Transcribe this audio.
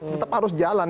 tetap harus jalan